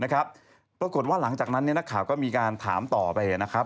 ปรากฏว่าหลังจากนั้นนักข่าวก็มีการถามต่อไปนะครับ